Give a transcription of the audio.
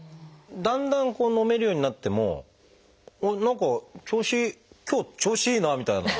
だんだん飲めるようになってもあっ何か調子今日調子いいなみたいな。